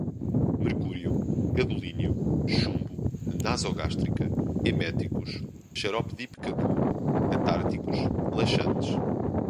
mercúrio, gadolínio, chumbo, nasogástrica, eméticos, xarope de Ipecacu, catárticos, laxantes